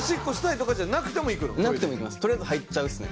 とりあえず入っちゃうっすね。